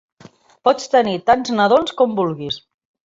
Pots tenir tants nadons com vulguis.